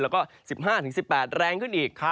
แล้วก็๑๕๑๘แรงขึ้นอีก